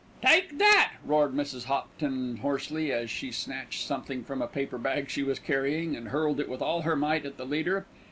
"Take that!" roared Mrs. Hopton hoarsely, as she snatched something from a paper bag she was carrying, and hurled it with all her might at the leader.